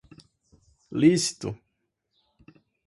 lícito